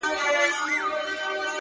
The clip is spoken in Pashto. • حرام كړى يې وو خوب د ماشومانو ,